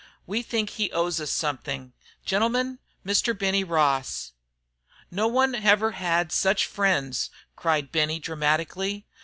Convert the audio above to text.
We think he owes us something. Gentlemen, Mr. Benny Ross." "No one ever had such friends!" cried Benny, dramatically.